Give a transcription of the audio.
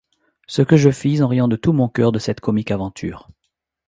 Ce que je fis en riant de tout mon coeur de cette comique aventure.